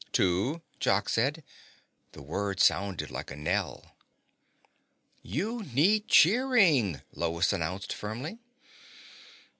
"Two," Jock said. The word sounded like a knell. "You need cheering," Lois announced firmly.